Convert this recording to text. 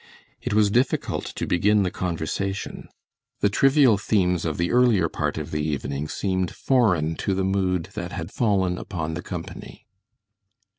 It was difficult to begin the conversation; the trivial themes of the earlier part of the evening seemed foreign to the mood that had fallen upon the company.